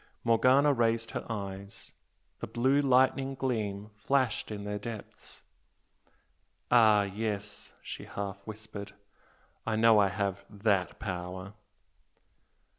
Morgana raised her eyes, the blue lightning gleam flashed in their depths. "Ah, yes!" she half whispered "I know I have THAT power!"